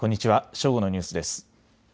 正午のニュースです。